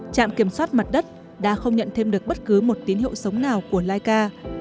trạm kiểm soát mặt đất đã không nhận thêm được bất cứ một tín hiệu sống nào của laika